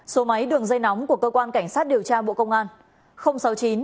số máy đường dây nóng của cơ quan cảnh sát điều tra bộ công an